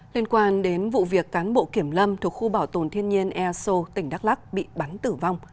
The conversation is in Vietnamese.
liên quan đến vụ việc cán bộ kiểm lâm thuộc khu bảo tồn thiên nhiên ea sô tỉnh đắk lắc bị bắn tử vong